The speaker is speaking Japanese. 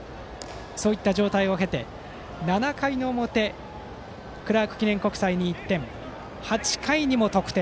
そういった状況を経て７回の表クラーク記念国際に１点８回にも得点。